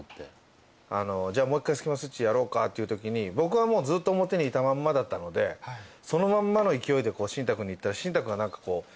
じゃあもう一回スキマスイッチやろうかっていうときに僕はもうずっと表にいたまんまだったのでそのまんまの勢いでシンタくんにいったらシンタくんは何かこう全然。